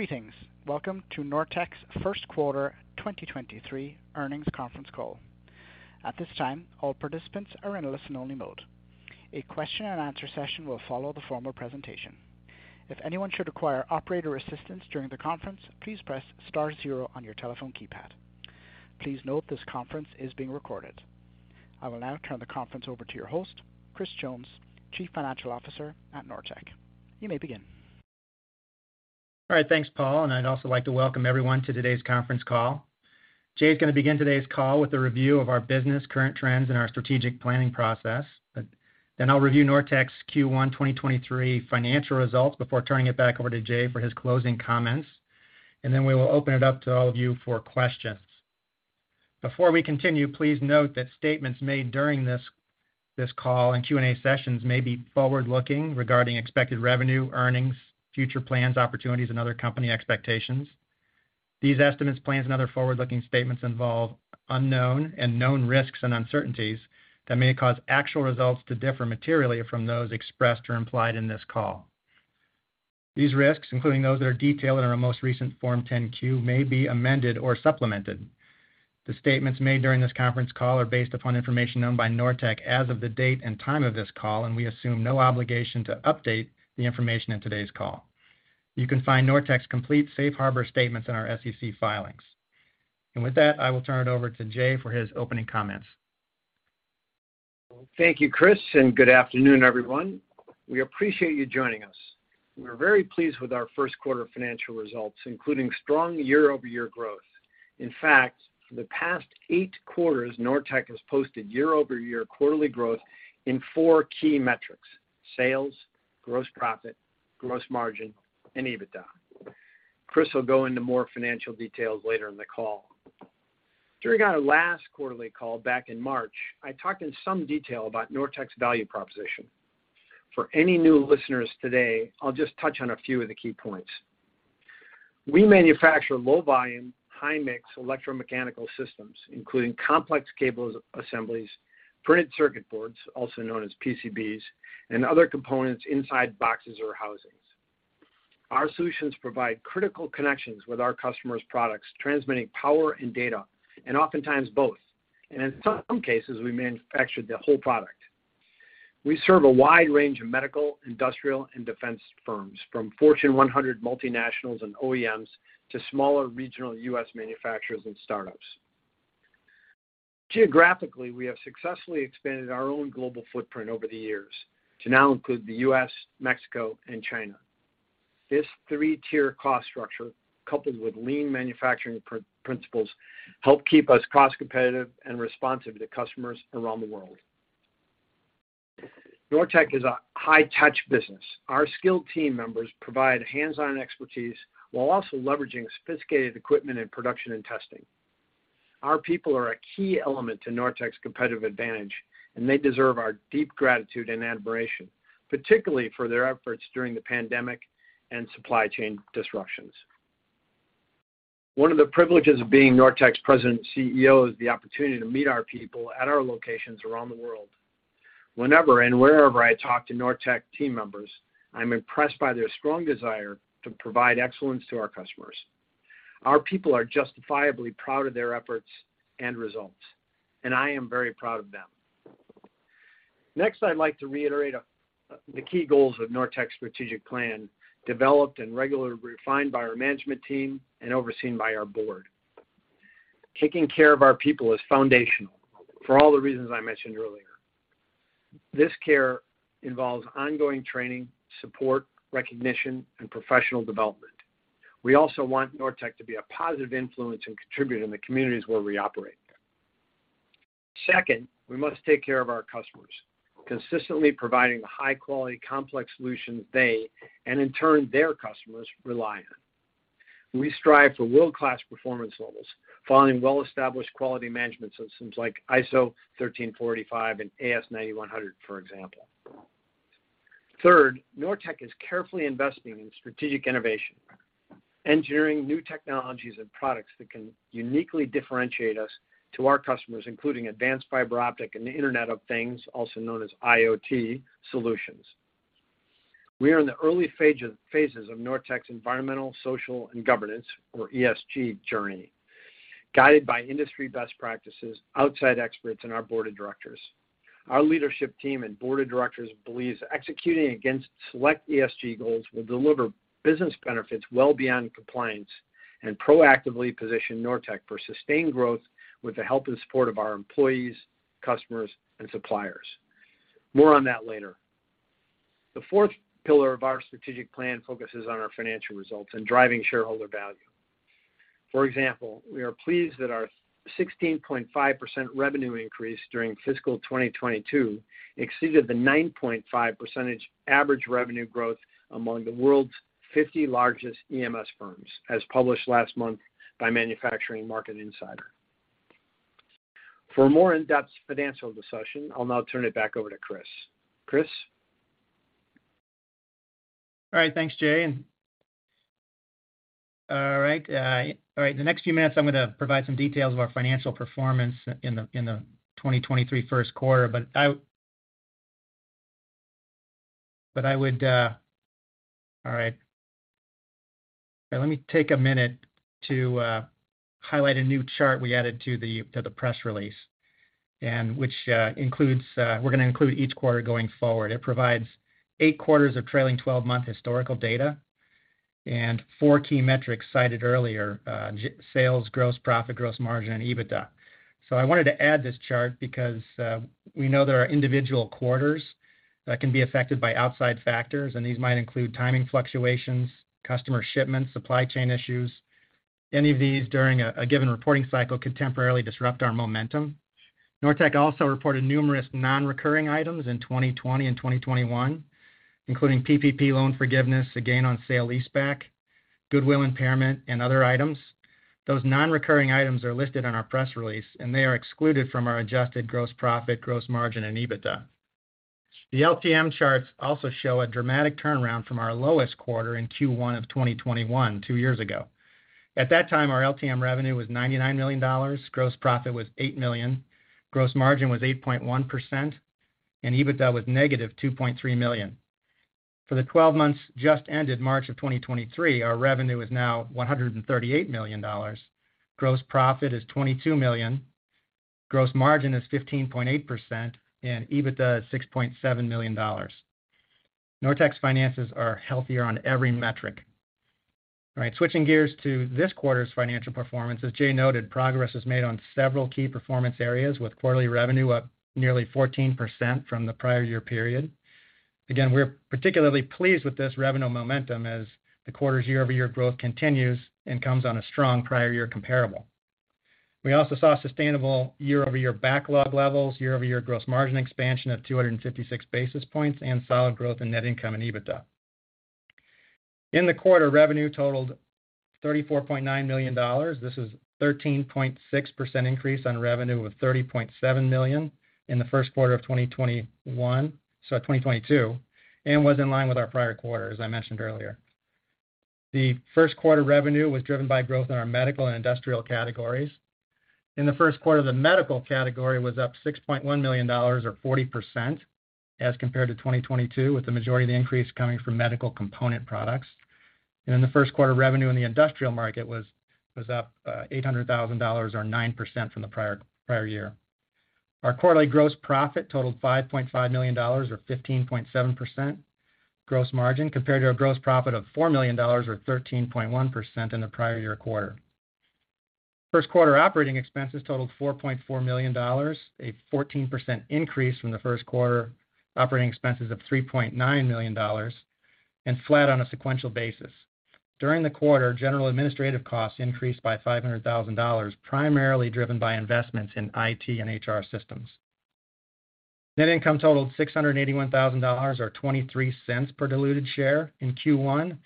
Greetings. Welcome to Nortech's first quarter 2023 earnings conference call. At this time, all participants are in a listen-only mode. A question and answer session will follow the formal presentation. If anyone should require operator assistance during the conference, please press star zero on your telephone keypad. Please note this conference is being recorded. I will now turn the conference over to your host, Chris Jones, Chief Financial Officer at Nortech. You may begin. All right. Thanks, Paul. I'd also like to welcome everyone to today's conference call. Jay's gonna begin today's call with a review of our business current trends and our strategic planning process. Then I'll review Nortech's Q1 2023 financial results before turning it back over to Jay for his closing comments. Then we will open it up to all of you for questions. Before we continue, please note that statements made during this call and Q&A sessions may be forward-looking regarding expected revenue, earnings, future plans, opportunities, and other company expectations. These estimates, plans, and other forward-looking statements involve unknown and known risks and uncertainties that may cause actual results to differ materially from those expressed or implied in this call. These risks, including those that are detailed in our most recent Form 10-Q, may be amended or supplemented. The statements made during this conference call are based upon information known by Nortech as of the date and time of this call. We assume no obligation to update the information in today's call. You can find Nortech's complete safe harbor statements in our SEC filings. With that, I will turn it over to Jay for his opening comments. Well, thank you, Chris, and good afternoon, everyone. We appreciate you joining us. We're very pleased with our first quarter financial results, including strong year-over-year growth. In fact, for the past eight quarters, Nortech has posted year-over-year quarterly growth in four key metrics: sales, gross profit, gross margin, and EBITDA. Chris will go into more financial details later in the call. During our last quarterly call back in March, I talked in some detail about Nortech's value proposition. For any new listeners today, I'll just touch on a few of the key points. We manufacture low-volume, high-mix electromechanical systems, including complex cable assemblies, printed circuit boards, also known as PCBs, and other components inside boxes or housings. Our solutions provide critical connections with our customers' products, transmitting power and data, and oftentimes both. In some cases, we manufacture the whole product. We serve a wide range of medical, industrial, and defense firms, from Fortune 100 multinationals and OEMs to smaller regional US manufacturers and startups. Geographically, we have successfully expanded our own global footprint over the years to now include the US, Mexico, and China. This 3-tier cost structure, coupled with lean manufacturing principles, help keep us cost competitive and responsive to customers around the world. Nortech is a high-touch business. Our skilled team members provide hands-on expertise while also leveraging sophisticated equipment in production and testing. Our people are a key element to Nortech's competitive advantage, and they deserve our deep gratitude and admiration, particularly for their efforts during the pandemic and supply chain disruptions. One of the privileges of being Nortech's President and CEO is the opportunity to meet our people at our locations around the world. Whenever and wherever I talk to Nortech team members, I'm impressed by their strong desire to provide excellence to our customers. Our people are justifiably proud of their efforts and results. I am very proud of them. Next, I'd like to reiterate the key goals of Nortech's strategic plan, developed and regularly refined by our management team and overseen by our board. Taking care of our people is foundational for all the reasons I mentioned earlier. This care involves ongoing training, support, recognition, and professional development. We also want Nortech to be a positive influence and contributor in the communities where we operate. Second, we must take care of our customers, consistently providing the high-quality complex solutions they, and in turn their customers, rely on. We strive for world-class performance levels, following well-established quality management systems like ISO 13485 and AS9100, for example. Third, Nortech is carefully investing in strategic innovation, engineering new technologies and products that can uniquely differentiate us to our customers, including advanced fiber optic and Internet of Things, also known as IoT, solutions. We are in the early phases of Nortech's environmental, social, and governance, or ESG, journey, guided by industry best practices, outside experts, and our board of directors. Our leadership team and board of directors believes executing against select ESG goals will deliver business benefits well beyond compliance and proactively position Nortech for sustained growth with the help and support of our employees, customers, and suppliers. More on that later. The fourth pillar of our strategic plan focuses on our financial results and driving shareholder value. For example, we are pleased that our 16.5% revenue increase during fiscal 2022 exceeded the 9.5% average revenue growth among the world's 50 largest EMS firms, as published last month by Manufacturing Market Insider. For a more in-depth financial discussion, I'll now turn it back over to Chris. Chris? All right. Thanks, Jay. All right. In the next few minutes, I'm gonna provide some details of our financial performance in the 2023 first quarter. All right. Let me take a minute to highlight a new chart we added to the press release, and which includes we're gonna include each quarter going forward. It provides 8 quarters of trailing twelve-month historical data and 4 key metrics cited earlier, sales, gross profit, gross margin, and EBITDA. I wanted to add this chart because we know there are individual quarters that can be affected by outside factors, and these might include timing fluctuations, customer shipments, supply chain issues. Any of these during a given reporting cycle could temporarily disrupt our momentum. Nortech also reported numerous non-recurring items in 2020 and 2021, including PPP loan forgiveness, a gain on sale leaseback, goodwill impairment, and other items. Those non-recurring items are listed on our press release, they are excluded from our adjusted gross profit, gross margin, and EBITDA. The LTM charts also show a dramatic turnaround from our lowest quarter in Q1 of 2021, two years ago. At that time, our LTM revenue was $99 million, gross profit was $8 million, gross margin was 8.1%, and EBITDA was -$2.3 million. For the 12 months just ended March of 2023, our revenue is now $138 million, gross profit is $22 million, gross margin is 15.8%, and EBITDA is $6.7 million. Nortech's finances are healthier on every metric. All right, switching gears to this quarter's financial performance. As Jay noted, progress is made on several key performance areas, with quarterly revenue up nearly 14% from the prior year period. Again, we're particularly pleased with this revenue momentum as the quarter's year-over-year growth continues and comes on a strong prior year comparable. We also saw sustainable year-over-year backlog levels, year-over-year gross margin expansion of 256 basis points, and solid growth in net income and EBITDA. In the quarter, revenue totaled $34.9 million. This is a 13.6% increase on revenue of $30.7 million in the first quarter of 2021-- sorry, 2022, and was in line with our prior quarter, as I mentioned earlier. The first quarter revenue was driven by growth in our medical and industrial categories. In the first quarter, the medical category was up $6.1 million or 40% as compared to 2022, with the majority of the increase coming from medical component products. In the first quarter, revenue in the industrial market was up $800,000 or 9% from the prior year. Our quarterly gross profit totaled $5.5 million or 15.7% gross margin, compared to a gross profit of $4 million, or 13.1% in the prior year quarter. First quarter operating expenses totaled $4.4 million, a 14% increase from the first quarter operating expenses of $3.9 million and flat on a sequential basis. During the quarter, general administrative costs increased by $500,000, primarily driven by investments in IT and HR systems. Net income totaled $681,000 or $0.23 per diluted share in Q1,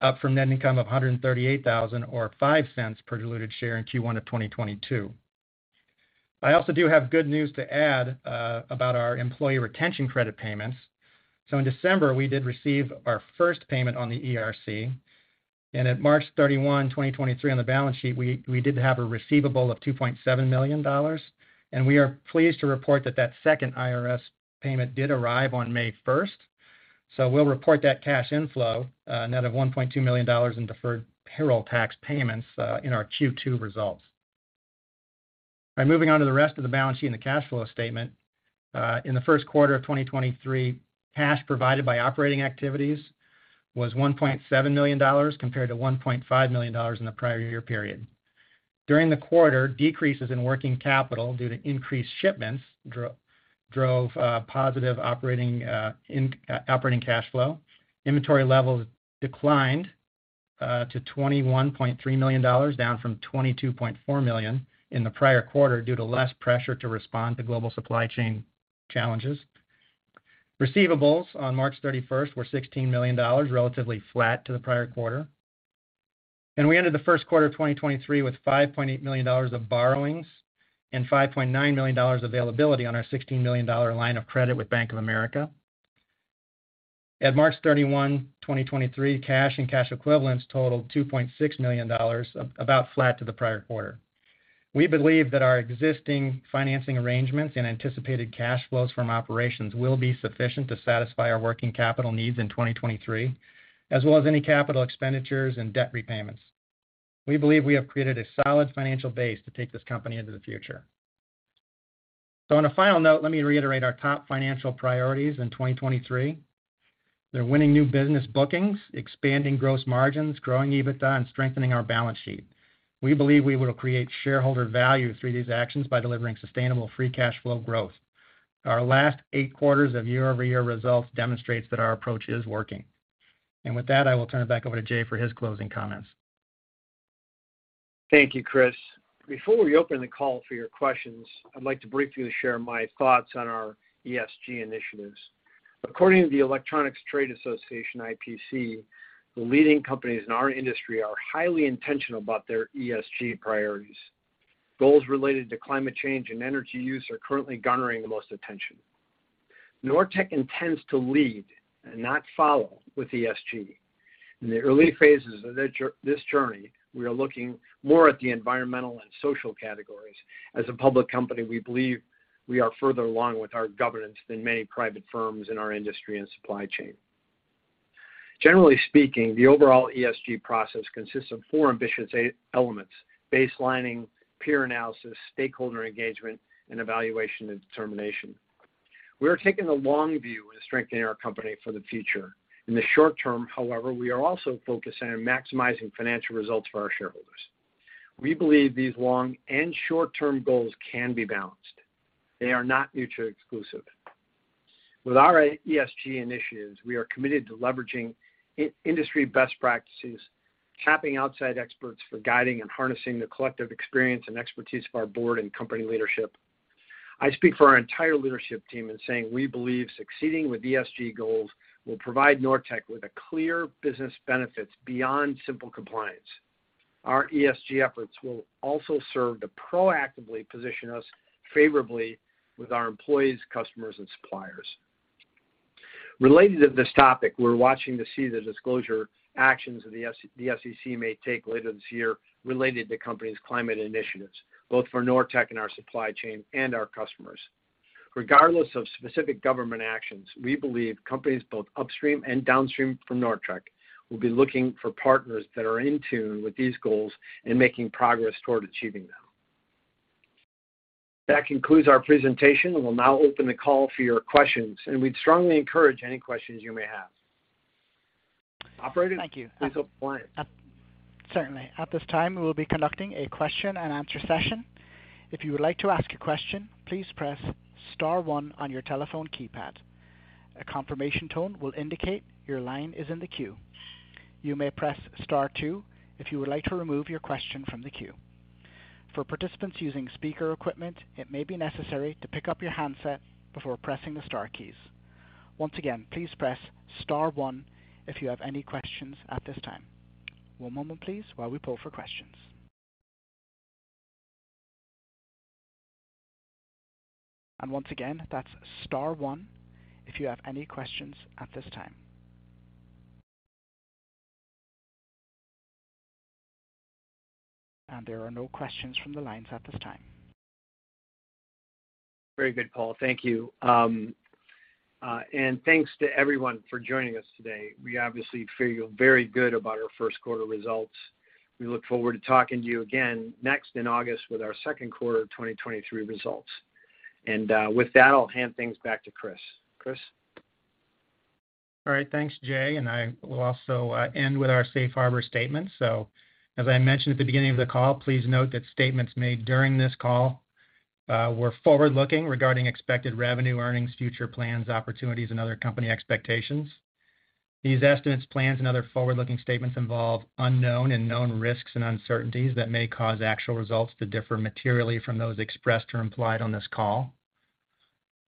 up from net income of $138,000 or $0.05 per diluted share in Q1 of 2022. I also do have good news to add about our Employee Retention Credit payments. In December, we did receive our first payment on the ERC, and at March 31, 2023 on the balance sheet, we did have a receivable of $2.7 million. We are pleased to report that that second IRS payment did arrive on May first. We'll report that cash inflow, net of $1.2 million in deferred payroll tax payments, in our Q2 results. All right, moving on to the rest of the balance sheet and the cash flow statement. In the first quarter of 2023, cash provided by operating activities was $1.7 million, compared to $1.5 million in the prior year period. During the quarter, decreases in working capital due to increased shipments drove positive operating cash flow. Inventory levels declined to $21.3 million, down from $22.4 million in the prior quarter, due to less pressure to respond to global supply chain challenges. Receivables on March 31st were $16 million, relatively flat to the prior quarter. We ended the first quarter of 2023 with $5.8 million of borrowings and $5.9 million availability on our $16 million line of credit with Bank of America. At March 31, 2023, cash and cash equivalents totaled $2.6 million, about flat to the prior quarter. We believe that our existing financing arrangements and anticipated cash flows from operations will be sufficient to satisfy our working capital needs in 2023, as well as any capital expenditures and debt repayments. We believe we have created a solid financial base to take this company into the future. On a final note, let me reiterate our top financial priorities in 2023. They're winning new business bookings, expanding gross margins, growing EBITDA, and strengthening our balance sheet. We believe we will create shareholder value through these actions by delivering sustainable free cash flow growth. Our last eight quarters of year-over-year results demonstrates that our approach is working. With that, I will turn it back over to Jay for his closing comments. Thank you, Chris. Before we open the call for your questions, I'd like to briefly share my thoughts on our ESG initiatives. According to the Electronics Trade Association, IPC, the leading companies in our industry are highly intentional about their ESG priorities. Goals related to climate change and energy use are currently garnering the most attention. Nortech intends to lead and not follow with ESG. In the early phases of this journey, we are looking more at the environmental and social categories. As a public company, we believe we are further along with our governance than many private firms in our industry and supply chain. Generally speaking, the overall ESG process consists of four ambitious elements, baselining, peer analysis, stakeholder engagement, and evaluation and determination. We are taking the long view in strengthening our company for the future. In the short term, however, we are also focused on maximizing financial results for our shareholders. We believe these long and short-term goals can be balanced. They are not mutually exclusive. With our ESG initiatives, we are committed to leveraging industry best practices, tapping outside experts for guiding and harnessing the collective experience and expertise of our board and company leadership. I speak for our entire leadership team in saying we believe succeeding with ESG goals will provide Nortech with a clear business benefits beyond simple compliance. Our ESG efforts will also serve to proactively position us favorably with our employees, customers, and suppliers. Related to this topic, we're watching to see the disclosure actions that the SEC may take later this year related to companies' climate initiatives, both for Nortech and our supply chain and our customers. Regardless of specific government actions, we believe companies both upstream and downstream from Nortech will be looking for partners that are in tune with these goals and making progress toward achieving them. That concludes our presentation. We'll now open the call for your questions, and we'd strongly encourage any questions you may have. Operator, please go for it. Certainly. At this time, we will be conducting a question and answer session. If you would like to ask a question, please press star one on your telephone keypad. A confirmation tone will indicate your line is in the queue. You may press star two if you would like to remove your question from the queue. For participants using speaker equipment, it may be necessary to pick up your handset before pressing the star keys. Once again, please press star one if you have any questions at this time. One moment please while we pull for questions. Once again, that's star one if you have any questions at this time. There are no questions from the lines at this time. Very good, Paul. Thank you. Thanks to everyone for joining us today. We obviously feel very good about our first quarter results. We look forward to talking to you again next in August with our second quarter of 2023 results. With that, I'll hand things back to Chris. Chris? All right, thanks, Jay. I will also end with our safe harbor statement. As I mentioned at the beginning of the call, please note that statements made during this call were forward-looking regarding expected revenue, earnings, future plans, opportunities, and other company expectations. These estimates, plans, and other forward-looking statements involve unknown and known risks and uncertainties that may cause actual results to differ materially from those expressed or implied on this call.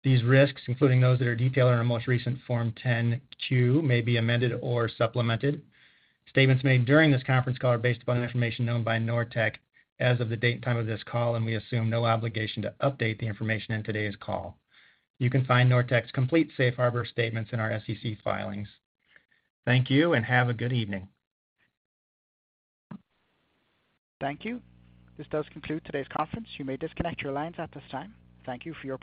These risks, including those that are detailed in our most recent Form 10-Q, may be amended or supplemented. Statements made during this conference call are based upon information known by Nortech as of the date and time of this call, and we assume no obligation to update the information in today's call. You can find Nortech's complete safe harbor statements in our SEC filings. Thank you and have a good evening. Thank you. This does conclude today's conference. You may disconnect your lines at this time. Thank you for your participation.